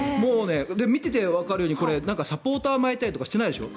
見ていてわかるようにサポーターを巻いたりしていないでしょ？